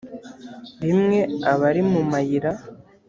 rimwe aba ari mu mayira